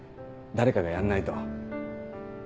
誰かがやんないと。